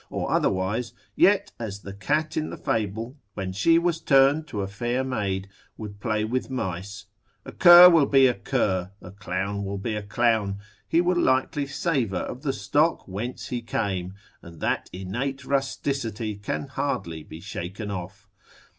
or otherwise, yet as the cat in the fable, when she was turned to a fair maid, would play with mice; a cur will be a cur, a clown will be a clown, he will likely savour of the stock whence he came, and that innate rusticity can hardly be shaken off.